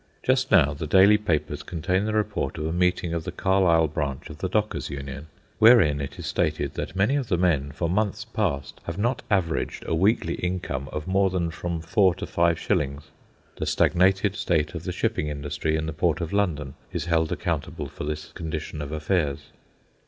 Just now the daily papers contain the report of a meeting of the Carlisle branch of the Dockers' Union, wherein it is stated that many of the men, for months past, have not averaged a weekly income of more than from four to five shillings. The stagnated state of the shipping industry in the port of London is held accountable for this condition of affairs.